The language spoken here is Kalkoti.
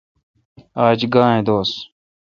آج گاں اؘ دوس۔